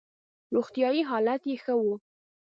روغتیايي حالت یې ښه وو.